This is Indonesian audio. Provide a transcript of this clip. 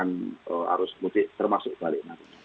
yang harus termasuk balik nanti